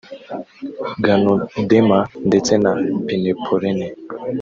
Ganoderma ndetse na pinepolen